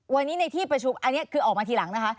วันนี้ในที่ประชุมอันนี้คือออกมาทีหลังนะคะ